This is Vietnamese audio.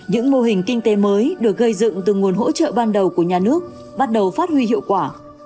những mô hình kinh tế mới được gây dựng từ nguồn hỗ trợ ban đầu của nhà nước bắt đầu phát huy hiệu quả